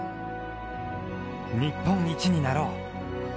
日本一になろう。